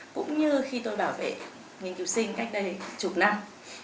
cũng như khi tôi bảo vệ nghiên cứu sinh cách đây chục năm